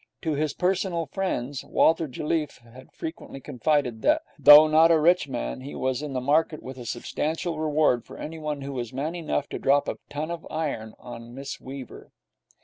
To his personal friends Walter Jelliffe had frequently confided that, though not a rich man, he was in the market with a substantial reward for anyone who was man enough to drop a ton of iron on Miss Weaver.